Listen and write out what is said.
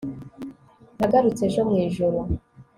nagarutse ejo mwijoro